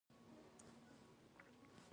د تخار په کلفګان کې کوم کان دی؟